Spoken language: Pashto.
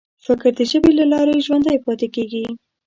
فکر د ژبې له لارې ژوندی پاتې کېږي.